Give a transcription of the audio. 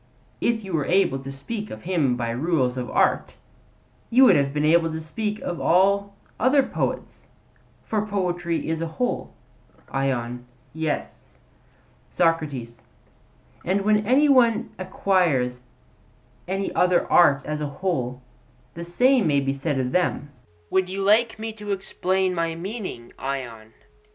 If you were able to speak of him by rules of art, you would have been able to speak of all other poets; for poetry is a whole. ION: Yes. SOCRATES: And when any one acquires any other art as a whole, the same may be said of them. Would you like me to explain my meaning, Ion?